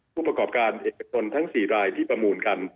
ผู้ประกอบการเอกชนทั้ง๔รายที่ประมูลกัน